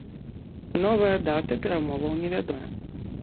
Новая дата перамоваў невядомая.